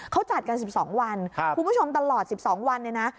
เขาจัดกันสิบสองวันครับคุณผู้ชมตลอดสิบสองวันเลยนะ